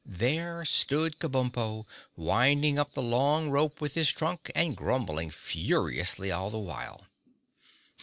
There stood Kabumpo winding up the long rope with his trunk and grumbling furiously all the while.